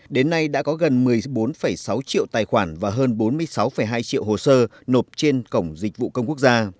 đến nay đã có gần một mươi bốn sáu triệu tài khoản và hơn bốn mươi sáu hai triệu hồ sơ nộp trên cổng dịch vụ công quốc gia